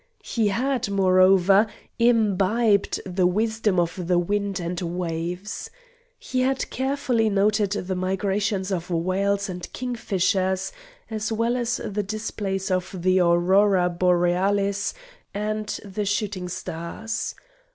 He had, moreover, imbibed the wisdom of the wind and waves. He had carefully noted the migrations of whales and kingfishers, as well as the displays of the aurora borealis and the shooting stars.